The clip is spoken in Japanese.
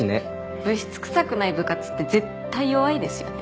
部室臭くない部活って絶対弱いですよね。